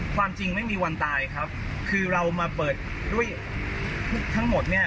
ความจริงไม่มีวันตายครับคือเรามาเปิดด้วยทั้งหมดเนี่ย